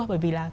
bởi vì là